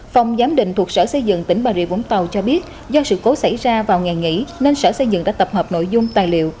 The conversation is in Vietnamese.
phòng giám định thuộc sở xây dựng tỉnh bà rịa vũng tàu cho biết do sự cố xảy ra vào ngày nghỉ nên sở xây dựng đã tập hợp nội dung tài liệu